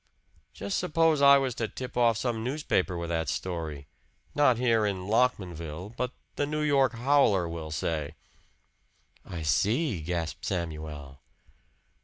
"Just suppose I was to tip off some newspaper with that story? Not here in Lockmanville but the New York Howler, we'll say?" "I see!" gasped Samuel.